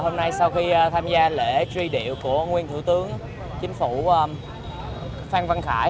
hôm nay sau khi tham gia lễ truy điệu của nguyên thủ tướng chính phủ phan văn khải